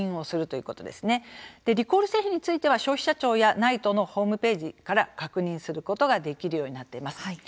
リコール製品については消費者庁やＮＩＴＥのホームページから確認することができるようになっています。